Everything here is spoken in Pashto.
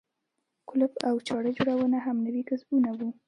کولپ او چړه جوړونه هم نوي کسبونه وو.